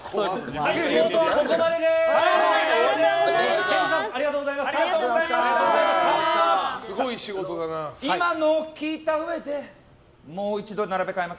はい、ここまでです！